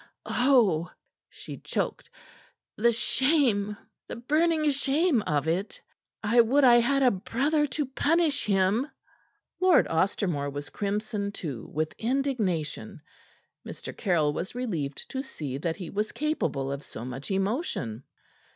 Oh!" she choked. "The shame the burning shame of it! I would I had a brother to punish him!" Lord Ostermore was crimson, too, with indignation. Mr. Caryll was relieved to see that he was capable of so much emotion.